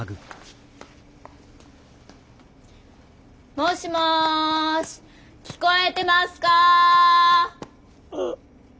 もしもし聞こえてますか？